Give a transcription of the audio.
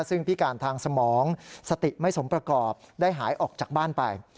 ซึ่งพิการทางสมองสติไม่สมประกอบได้หายออกจากบ้านไป